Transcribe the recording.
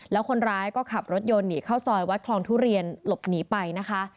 แล้วคนร้ายก็ขับรถยนต์หนีเข้าซอยวัดคลองทุเรียนหลบหนีไปนะคะ